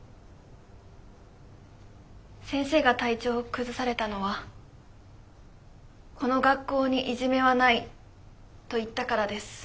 先生が体調を崩されたのは「この学校にいじめはない」と言ったからです。